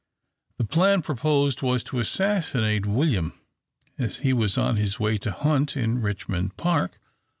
The plan proposed was to assassinate William as he was on his way to hunt in Richmond Park.